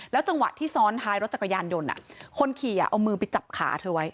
จังหวะที่ซ้อนท้ายรถจักรยานยนต์คนขี่เอามือไปจับขาเธอไว้